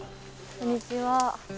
こんにちは。